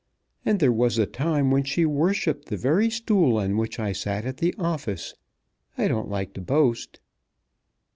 And there was a time when she worshipped the very stool on which I sat at the office. I don't like to boast."